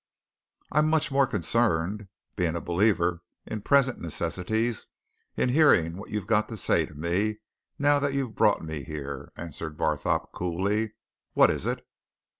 "I'm much more concerned being a believer in present necessities in hearing what you've got to say to me now that you've brought me here," answered Barthorpe, coolly. "What is it?"